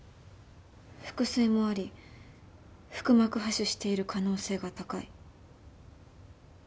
腹水もあり腹膜播種している可能性が高い。